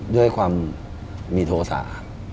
ด้วยความมีโทษา